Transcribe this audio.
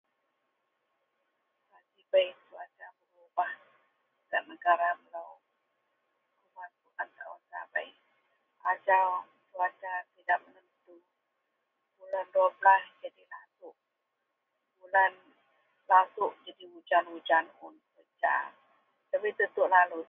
Bei cuaca berubah gak negara melo..... [unintelligible] ajau cuaca tidak menentu ... bulan duabelas lasouk. Bulan lasouk jadi ujan ujan un da debei tetuk lalu ji.